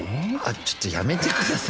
ちょっとやめて下さいよ。